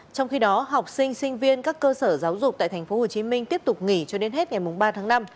trong khi đó học sinh sinh viên các cơ sở giáo dục tại tp hcm tiếp tục nghỉ cho đến hết ngày ba tháng năm